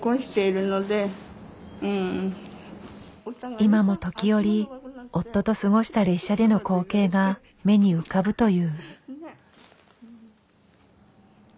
今も時折夫と過ごした列車での光景が目に浮かぶという。